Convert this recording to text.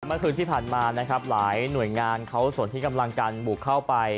เมื่อคืนที่ผ่านมานะครับหลายหน่วยงานเขาส่วนที่กำลังการบุกเข้าไป